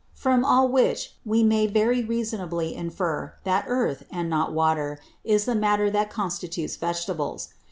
From all which we may very reasonably infer, that Earth, and not Water, is the Matter that constitutes Vegetables.